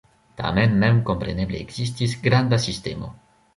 Tamen memkompreneble ekzistis granda sistemo.